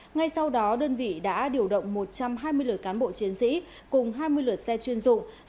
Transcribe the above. ngay sau đó đơn vị đã điều động một trăm hai mươi lượt cán bộ chiến sĩ cùng hai mươi lượt xe chuyên dụng